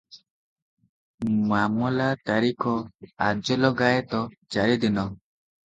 ମାମଲା ତାରିଖ ଆଜଲଗାଏତ ଚାରିଦିନ ।